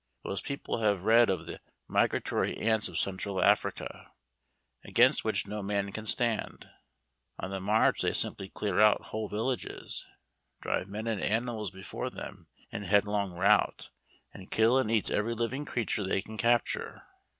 Most people have read of the migratory ants of Central Africa, against which no man can stand. On the march they simply clear out whole villages, drive men and animals before them in headlong rout, and kill and eat every living creature they can capture.